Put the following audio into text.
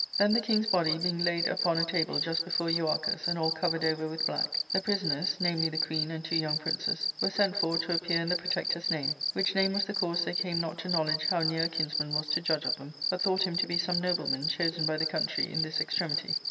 Then the king's body being laid upon a table just before Euarchus, and all covered over with black, the prisoners — namely, the queen and two young princes — were sent for to appear in the protector's name, which name was the cause they came not to knowledge how near a kinsman was to judge of them, but thought him to be some nobleman chosen by the country in this extremity.